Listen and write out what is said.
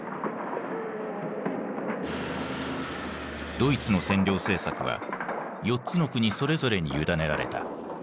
ドイツの占領政策は４つの国それぞれに委ねられた。